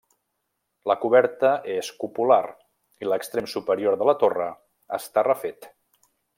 La coberta és cupular i l'extrem superior de la torre està refet.